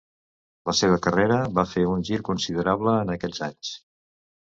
La seva carrera va fer un gir considerable en aquests anys.